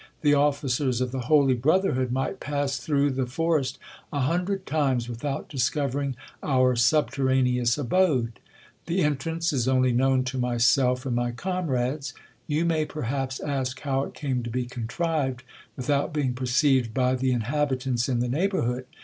The officers of the holy brotherhood might pass through the forest a hundred times without discovering our subterraneous abode. The entrance is only known to myself and my comrades. You may perhaps ask how it came to be contrived, without being perceived by the inhabitants in the neigh bourhood.